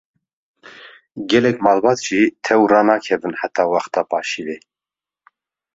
Gelek malbat jî tew ranakevin heta wexta paşîvê.